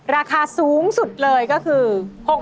ราคาสูงสุดเลยก็คือ